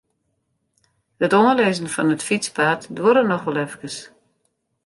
It oanlizzen fan it fytspaad duorre noch wol efkes.